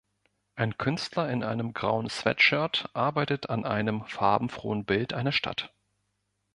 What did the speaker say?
Ein Künstler in einem grauen Sweatshirt arbeitet an einem farbenfrohen Bild einer Stadt.